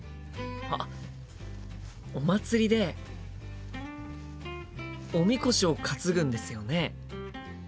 あっお祭りでおみこしを担ぐんですよね？